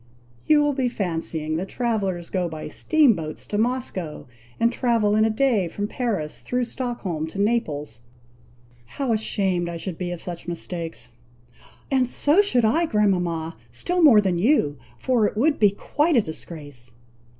You will be fancying that travellers go by steam boats to Moscow, and travel in a day from Paris, through Stockholm to Naples. How ashamed I should be of such mistakes!" "And so should I, grandmama, still more than you; for it would be quite a disgrace."